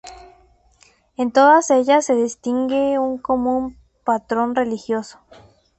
En todas ellas se distingue un común patrón religioso.